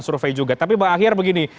survei juga tapi bang ahyar begini